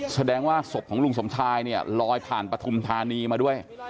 แสดงว่าศพของลุงสมชายเนี่ยลอยผ่านปฐุมธานีมาด้วย